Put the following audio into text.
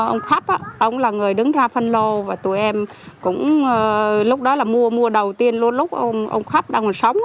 ông khắp ông là người đứng ra phân lô và tụi em cũng lúc đó là mua mua đầu tiên luôn lúc ông khắp đang còn sống